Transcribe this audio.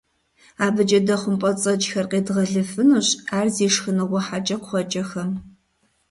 АбыкӀэ дэ хъумпӀэцӀэджхэр къедгъэлыфынущ ар зи шхыныгъуэ хьэкӀэкхъуэкӀэхэм.